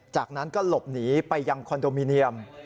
จากนั้นก็หลบหนีไปยังคอนโดมิเนียม